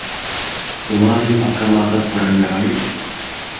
உமாரின் பக்கமாகப் புரண்டாள்.